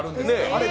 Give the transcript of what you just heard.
あれ